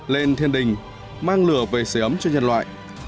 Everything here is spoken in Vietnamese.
lên thiên đình mang lửa về xế ấm cho nhân loại